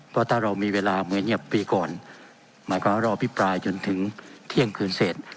เพราะถ้าเรามีเวลาเหมือนอย่างปีก่อนหมายความว่ารอพิปรายจนถึงเที่ยงคืนเสร็จ